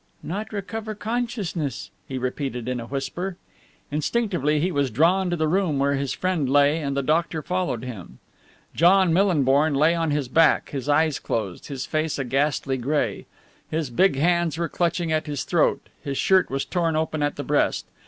"Not recover consciousness?" he repeated in a whisper. Instinctively he was drawn to the room where his friend lay and the doctor followed him. John Millinborn lay on his back, his eyes closed, his face a ghastly grey. His big hands were clutching at his throat, his shirt was torn open at the breast.